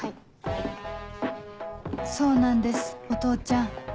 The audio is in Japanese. そうなんですお父ちゃん